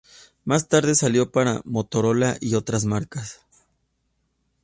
Más tarde salió para Motorola y otras marcas..